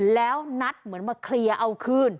แล้วนัดเหมือนมาเคลียร์เอาคืน